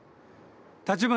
立花